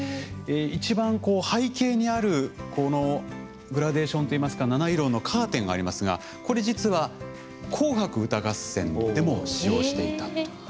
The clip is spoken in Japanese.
一番背景にあるこのグラデーションといいますか七色のカーテンがありますがこれ実は「紅白歌合戦」でも使用していたという。